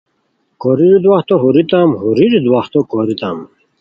کوریرو دواہتو ہوریتام، ہوریرو دواہتو کوریتام